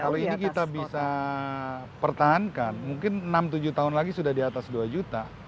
kalau ini kita bisa pertahankan mungkin enam tujuh tahun lagi sudah di atas dua juta